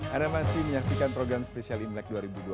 ada masih menyaksikan program spesial imlek dua ribu dua puluh